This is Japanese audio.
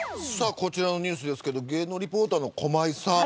こちらのニュースですけど芸能リポーターの駒井さん。